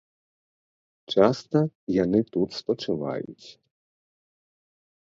Часта яны тут спачываюць.